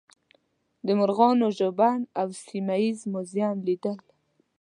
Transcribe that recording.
د مرغانو ژوبڼ او سیمه ییز موزیم لیدل.